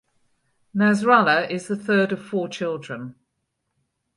Nasrallah is the third of four children.